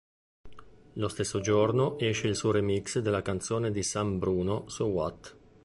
Lo stesso giorno esce il suo remix della canzone di Sam Bruno "So what".